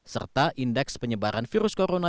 serta indeks penyebaran virus corona